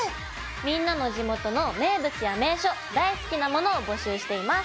みんなの地元の名物や名所大好きなものを募集しています。